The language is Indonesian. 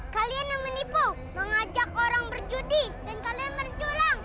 kalian yang menipu mengajak orang berjudi dan kalian berjuang